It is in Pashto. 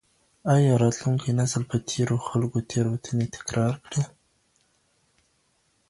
ایا راتلونکی نسل به د تېرو خلګو تېروتنې تکرار کړي؟